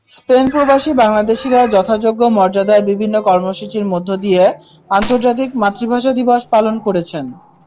স্পেনপ্রবাসী বাংলাদেশিরা যথাযোগ্য মর্যাদায় বিভিন্ন কর্মসূচির মধ্য দিয়ে আন্তর্জাতিক মাতৃভাষা দিবস পালন করেছেন।